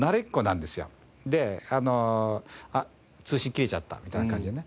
で「あっ通信切れちゃった」みたいな感じでね。